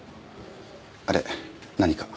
あれ何か？